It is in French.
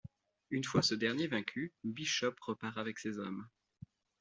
Une fois ce dernier vaincu, Bishop repart avec ses hommes.